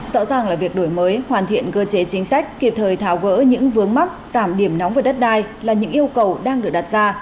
rõ ràng là việc đổi mới hoàn thiện cơ chế chính sách kịp thời tháo gỡ những vướng mắc giảm điểm nóng về đất đai là những yêu cầu đang được đặt ra